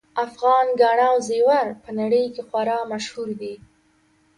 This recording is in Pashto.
افغان ګاڼه او زیور په نړۍ کې خورا مشهور دي